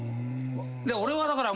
俺はだから。